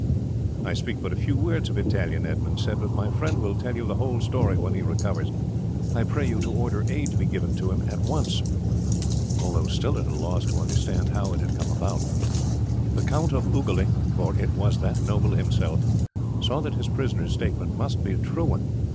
"I speak but a few words of Italian," Edmund said, "but my friend will tell you the whole story when he recovers. I pray you to order aid to be given to him at once." Although still at a loss to understand how it had come about, the Count of Ugoli for it was that noble himself saw that his prisoner's statement must be a true one.